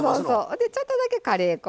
でちょっとだけカレー粉。